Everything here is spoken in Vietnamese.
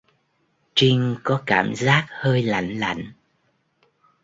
Trinh có cảm giác hơi lạnh lạnh